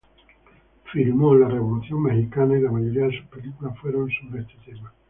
Filmó la Revolución mexicana y la mayoría de sus películas fueron sobre este tema.